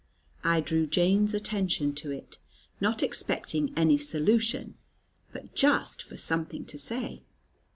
I drew Jane's attention to it, not expecting any solution, but just for something to say.